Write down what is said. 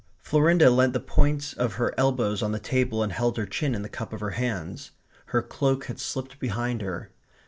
Florinda leant the points of her elbows on the table and held her chin in the cup of her hands. Her cloak had slipped behind her.